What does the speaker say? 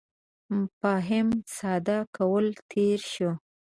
مفاهیمو ساده کولو تېر شو.